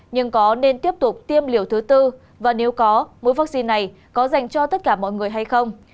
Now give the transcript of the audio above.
nhưng có nên tiếp tục tiêm liều thứ tư và nếu có mũi vaccine này có dành cho tất cả mọi người hay không